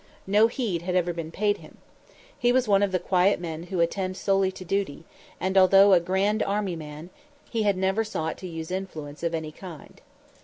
No heed had ever been paid him. He was one of the quiet men who attend solely to duty, and although a Grand Army man, he had never sought to use influence of any kind.